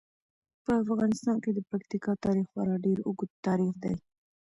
په افغانستان کې د پکتیکا تاریخ خورا ډیر اوږد تاریخ دی.